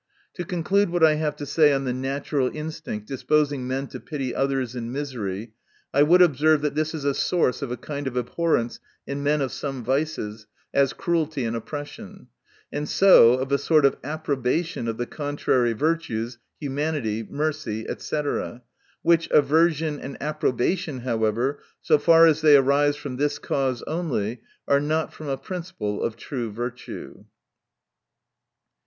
To conclude what I have to say on the natural instinct disposing men to pity others in misery, I would observe, that this is a source of a kind of abhor rence in men of some vices, as cruelty and oppression ; and so, of a sort of ap probation of the contrary virtues, humanity, mercy, &c. Which aversion and approbation, however, so far as they arise from this cause only, are not from a principle of true virtue.